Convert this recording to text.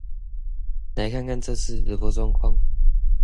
來看看這次直播狀況